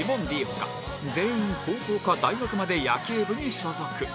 他全員高校か大学まで野球部に所属